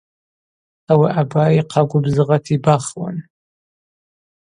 Ауи абайа йхъа гвыбзыгъата йбахуан.